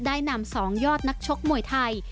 ได้นำ๒ยอดนักชกมวยไทย